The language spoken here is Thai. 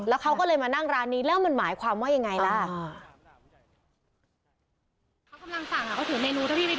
เขาก็เลยมานั่งร้านนี้แล้วมันหมายความว่ายังไงล่ะ